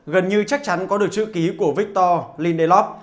gần như chắc chắn có được chữ ký của victor lindelov